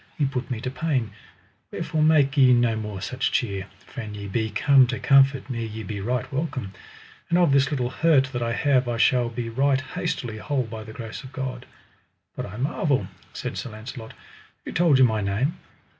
ye put me to pain; wherefore make ye no more such cheer, for an ye be come to comfort me ye be right welcome; and of this little hurt that I have I shall be right hastily whole by the grace of God. But I marvel, said Sir Launcelot, who told you my name?